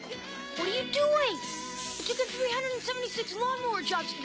・おい！